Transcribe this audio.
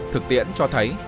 thực tiễn cho thấy